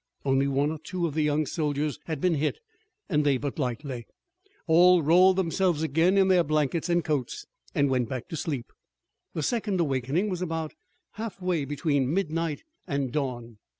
Only one or two of the young soldiers had been hurt and they but lightly. All rolled themselves again in their blankets and coats and went back to sleep. The second awakening was about half way between midnight and dawn.